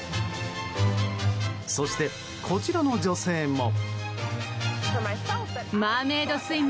そして、こちらの女性も。